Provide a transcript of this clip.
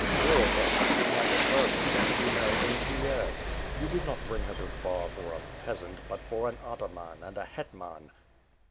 Or, perhaps it might occur to me to be married in Kiev. You did not bring her to Bar for a peasant but for an ataman and a hetman.